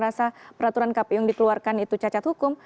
kalau misalnya kita merasa peraturan kpu yang dikeluarkan itu cacat hukum